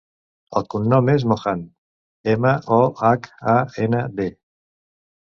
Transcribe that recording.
El cognom és Mohand: ema, o, hac, a, ena, de.